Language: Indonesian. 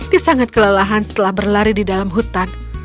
meski sangat kelelahan setelah berlari di dalam hutan